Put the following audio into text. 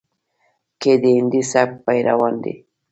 کې د هندي سبک پېروان دي،